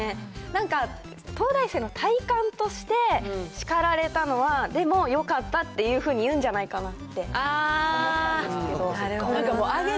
なんか、東大生の体感として、叱られたのはでも、よかったっていうふうに言うんじゃないかなって思ったんですけどなるほどね。